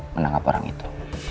menangkap orang itu